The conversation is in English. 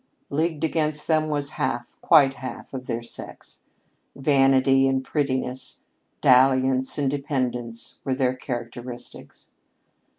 Leagued against them was half quite half of their sex. Vanity and prettiness, dalliance and dependence were their characteristics.